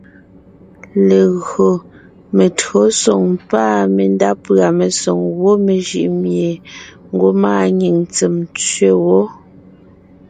Legÿo metÿǒsoŋ pâ mendá pʉ̀a mesoŋ gwɔ̂ mejʉʼ mie ngwɔ́ maanyìŋ ntsèm tsẅe wó;